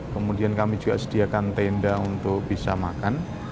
kemudian kami juga sediakan tenda untuk bisa makan